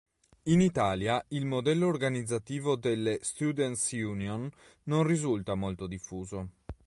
In Italia il modello organizzativo delle "Students' Union" non risulta molto diffuso.